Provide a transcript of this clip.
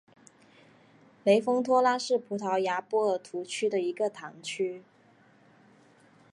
雷丰托拉是葡萄牙波尔图区的一个堂区。